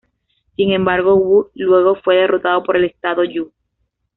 Sin embargo, Wu luego fue derrotado por el estado Yue.